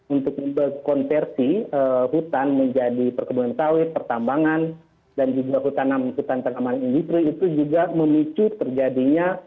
untuk konversi hutan menjadi perkebunan sawit pertambangan dan juga hutan tanaman industri itu juga memicu terjadinya